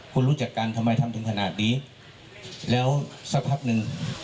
คุณรู้จักกันทำไมทำถึงขนาดนี้แล้วสักพักหนึ่ง